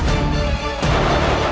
dan menangkap kake guru